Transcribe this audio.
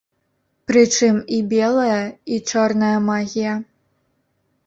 Прычым і белая, і чорная магія.